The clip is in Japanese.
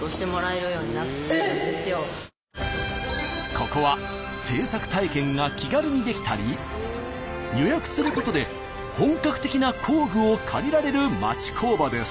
ここは制作体験が気軽にできたり予約することで本格的な工具を借りられる町工場です。